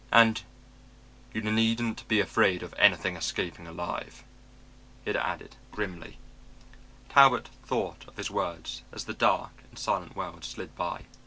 And you needn't be afraid of anything escaping alive," he had added grimly. Talbot thought of his words as the dark and silent world slid by.